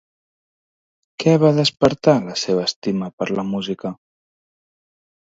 Què va despertar la seva estima per la música?